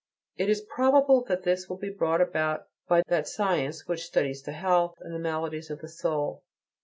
It is probable that this will be brought about by that science which studies the health and the maladies of the soul.